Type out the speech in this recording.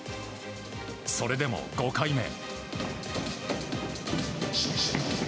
それでも５回目。